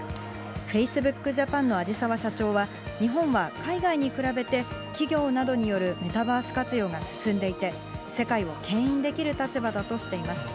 フェイスブックジャパンの味澤社長は、日本は海外に比べて、企業などによるメタバース活用が進んでいて、世界をけん引できる立場だとしています。